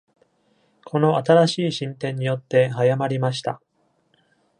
この新しい進展によって早まりました。